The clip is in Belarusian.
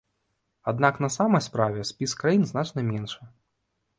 Аднак на самай справе спіс краін значна меншы.